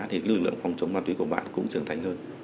thì lực lượng phòng chống ma túy của bạn cũng trưởng thành hơn